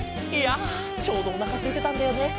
いやちょうどおなかすいてたんだよね。